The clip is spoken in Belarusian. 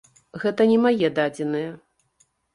Гэта не мае дадзеныя.